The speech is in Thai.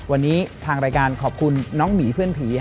วันนี้ทางรายการขอบคุณน้องหมีเพื่อนผี